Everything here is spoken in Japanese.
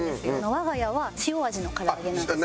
我が家は塩味の唐揚げなんですけど。